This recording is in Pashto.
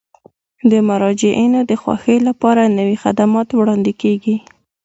د مراجعینو د خوښۍ لپاره نوي خدمات وړاندې کیږي.